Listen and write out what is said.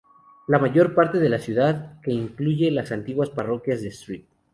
La mayor parte de la ciudad, que incluye las antiguas parroquias de St.